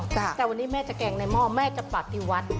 แต่วันนี้แม่จะแกงในหม้อแม่จะปรับที่วัด